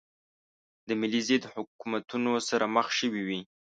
د ملي ضد حکومتونو سره مخ شوې وې.